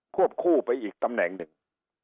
วบคู่ไปอีกตำแหน่งหนึ่ง